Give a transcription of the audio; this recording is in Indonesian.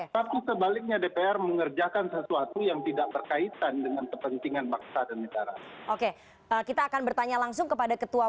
tapi sebaliknya dpr mengerjakan sesuatu